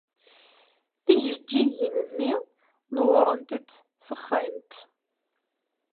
Tijeǧǧigin-nni newwṛent-d texxamt.